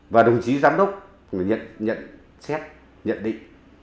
và đồng chí giám đốc nhận xét nhận định